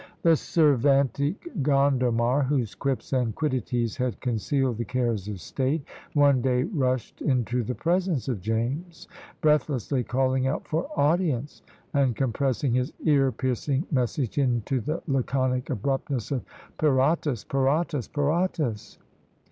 The Cervantic Gondomar, whose "quips and quiddities" had concealed the cares of state, one day rushed into the presence of James, breathlessly calling out for "audience!" and compressing his "ear piercing" message into the laconic abruptness of "piratas! piratas! piratas!"